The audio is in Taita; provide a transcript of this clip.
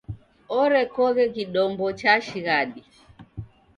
Orekoghe kidombo cha shighadi.